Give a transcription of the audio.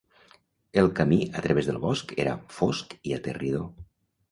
El camí a través del bosc era fosc i aterridor.